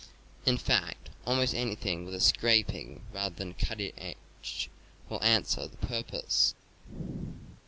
In fact, almost anything with a scraping rather than a cutting edge will answer the purpose.